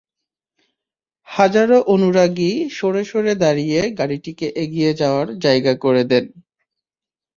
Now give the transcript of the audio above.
হাজারো অনুরাগী সরে সরে দাঁড়িয়ে গাড়িটিকে এগিয়ে যাওয়ার জায়গা করে দেন।